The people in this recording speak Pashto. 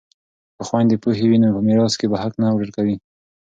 که خویندې پوهې وي نو په میراث کې به حق نه ورکوي.